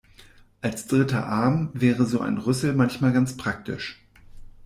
Als dritter Arm wäre so ein Rüssel manchmal ganz praktisch.